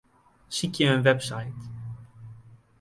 Sykje in website.